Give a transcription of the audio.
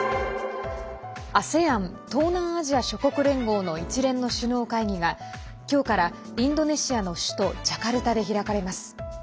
ＡＳＥＡＮ＝東南アジア諸国連合の一連の首脳会議が今日からインドネシアの首都ジャカルタで開かれます。